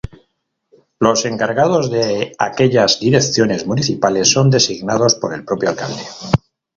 Los encargados de aquellas direcciones municipales son designados por el propio alcalde.